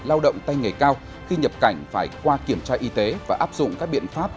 lao động tay nghề cao khi nhập cảnh phải qua kiểm tra y tế và áp dụng các biện pháp